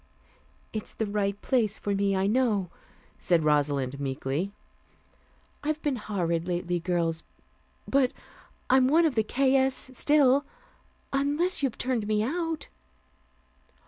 "It's the right place for me, I know," said Rosalind meekly. "I've been horrid lately, girls, but I'm one of the 'K. S.' still, unless you've turned me out."